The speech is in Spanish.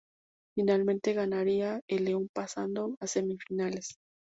Finalmente ganaría el León pasando a semifinales..